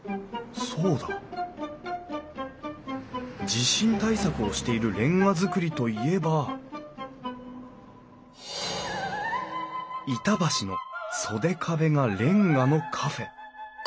地震対策をしている煉瓦造りといえば板橋の袖壁がれんがのカフェ！